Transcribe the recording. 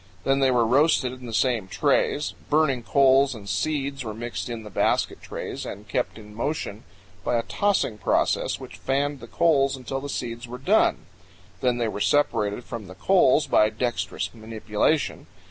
Then they were roasted in the same trays. Burning coals and seeds were mixed in the basket trays and kept in motion by a tossing process which fanned the coals until the seeds were done; then they were separated from the coals by dexterous manipulation.